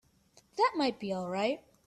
That might be all right.